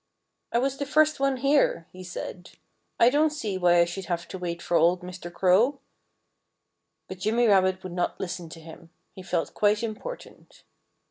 "I was the first one here," he said. "I don't see why I should have to wait for old Mr. Crow." But Jimmy Rabbit would not listen to him. He felt quite important.